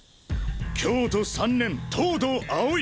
京都三年東堂葵。